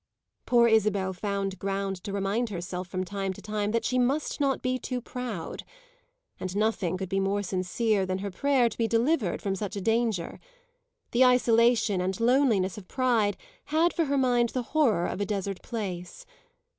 Poor Isabel found ground to remind herself from time to time that she must not be too proud, and nothing could be more sincere than her prayer to be delivered from such a danger: the isolation and loneliness of pride had for her mind the horror of a desert place.